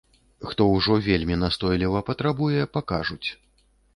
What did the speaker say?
Хто ўжо вельмі настойліва патрабуе, пакажуць.